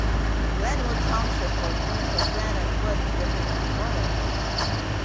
Glenwood Township was named for the glen and woods within its borders.